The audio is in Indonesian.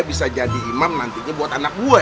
bisa jadi imam nantinya buat anak buah